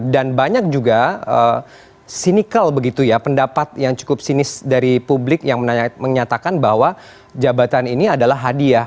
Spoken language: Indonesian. dan banyak juga sinikal begitu ya pendapat yang cukup sinis dari publik yang menyatakan bahwa jabatan ini adalah hadiah